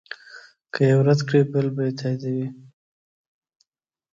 که یو رد کړې بل به یې تاییدوي.